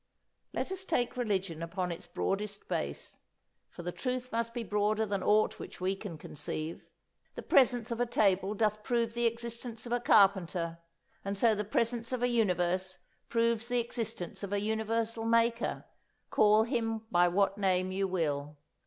'"Let us take religion upon its broadest base, for the truth must be broader than aught which we can conceive. The presence of a table doth prove the existence of a carpenter, and so the presence of a universe proves the existence of a universe Maker, call Him by what name you will.